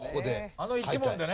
あの１問でね。